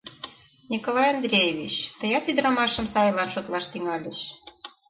Николай Андреевич, тыят ӱдырамашым сайлан шотлаш тӱҥальыч?